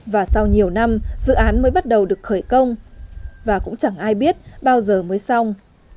và sau nhiều năm dự án mới bắt đầu được khởi công và cũng chẳng ai biết bao giờ mới xong